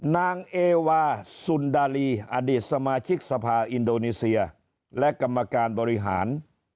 นางเอวาสุนดาลีอดีตสมาชิกสภาอินโดนีเซียและกรรมการบริหาร